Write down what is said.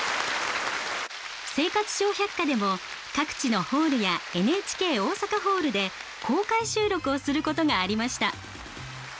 「生活笑百科」でも各地のホールやＮＨＫ大阪ホールで公開収録をすることがありました。